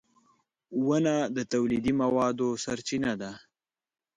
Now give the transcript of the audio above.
• ونه د تولیدي موادو سرچینه ده.